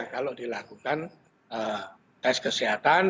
kalau dilakukan tes kesehatan